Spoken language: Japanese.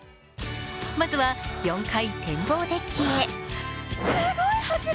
まずは、４階展望デッキへ。